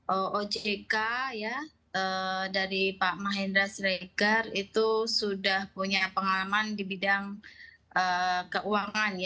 ojk ya dari pak mahindra srekar itu sudah punya pengalaman di bidang keuangan ya